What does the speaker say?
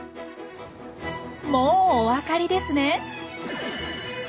もうおわかりですね。